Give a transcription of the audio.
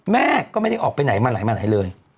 แม่ก็ไม่ได้ออกไปไหนมาหลายเลย